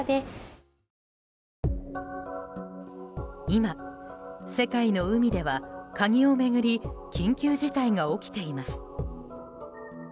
今、世界の海ではカニを巡り緊急事態が起きています。